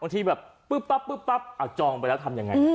บางทีเปิ๊บป๊ั๊บป๊บหาจองไปแล้วทำยังไง